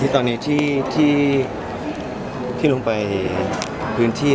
ตอนนี้ที่ลงไปพื้นที่